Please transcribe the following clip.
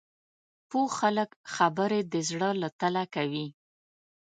پوه خلک خبرې د زړه له تله کوي